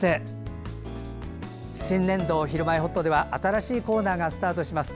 新年度、「ひるまえほっと」では新しいコーナーがスタートします。